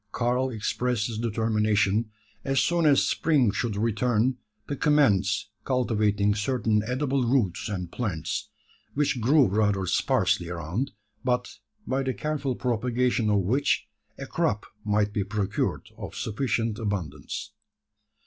Karl expressed his determination, as soon as spring should return, to commence cultivating certain edible roots and plants, which grew rather sparsely around, but, by the careful propagation of which, a crop might be procured of sufficient abundance.